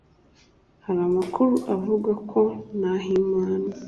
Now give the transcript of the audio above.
Hari amakuru avuga ko Nahimana